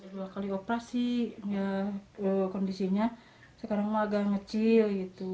dua kali operasi kondisinya sekarang agak kecil